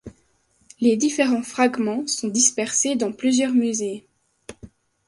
Les différents fragments sont dispersés dans plusieurs musées.